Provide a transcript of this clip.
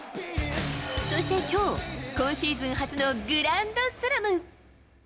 そしてきょう、今シーズン初のグランドスラム。